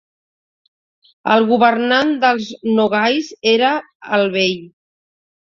El governant dels Nogais era el Bey.